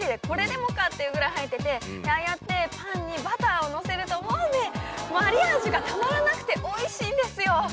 これでもかというぐらい入っててああやってパンにバターをのせるともうねマリアージュがたまらなくておいしいんですよ！